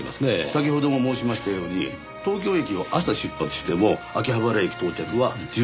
先ほども申しましたように東京駅を朝出発しても秋葉原駅到着は１８時過ぎ。